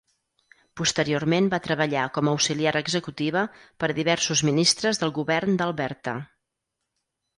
Posteriorment va treballar com a auxiliar executiva per a diversos ministres del govern d'Alberta.